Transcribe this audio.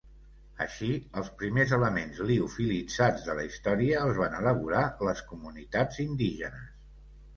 Així, els primers elements liofilitzats de la història els van elaborar les comunitats indígenes.